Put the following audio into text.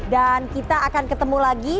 kita akan ketemu lagi